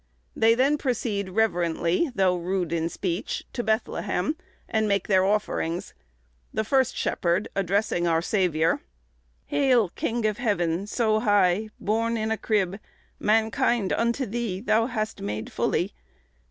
They then proceed reverently, though "rude in speech," to Bethlehem, and make their offerings; the first shepherd, addressing our Saviour,— "Heale, Kinge of heaven, so hie, Borne in a crebe, Mankinde unto Thee Thou haste made fullye.